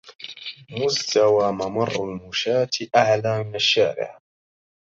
مستوى ممر المشاة أعلى من الشارع.